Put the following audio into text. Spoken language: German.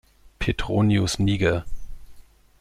Petronius Niger“.